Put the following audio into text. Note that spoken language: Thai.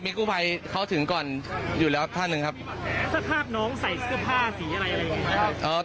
มีกู้ไพเขาถึงก่อนอยู่แล้วท่านหนึ่งครับถ้าภาพน้องใส่เสื้อผ้าสีอะไรอะไร